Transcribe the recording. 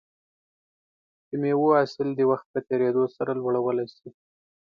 د مېوو حاصل د وخت په تېریدو سره لوړولی شي.